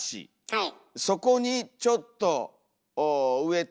はい。